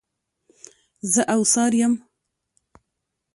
زه اوڅار یم.